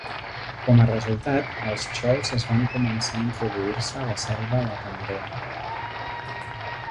Com a resultat, els txols es van començar a introduir-se a la selva Lacandona.